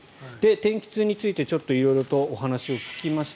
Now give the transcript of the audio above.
天気痛について色々とお話を聞きました。